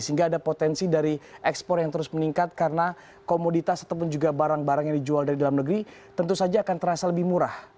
sehingga ada potensi dari ekspor yang terus meningkat karena komoditas ataupun juga barang barang yang dijual dari dalam negeri tentu saja akan terasa lebih murah